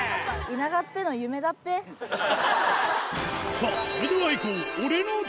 さぁそれではいこう！